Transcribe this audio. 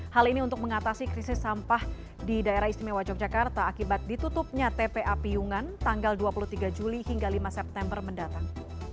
hal ini untuk mengatasi krisis sampah di daerah istimewa yogyakarta akibat ditutupnya tpa piyungan tanggal dua puluh tiga juli hingga lima september mendatang